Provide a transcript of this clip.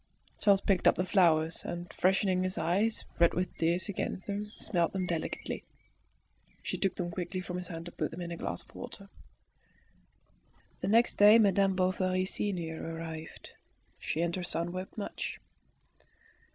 Charles picked up the flowers, and freshening his eyes, red with tears, against them, smelt them delicately. She took them quickly from his hand and put them in a glass of water. The next day Madame Bovary senior arrived. She and her son wept much.